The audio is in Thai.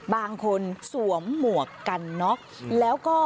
บางคนสวมหมวกกันแล้วก็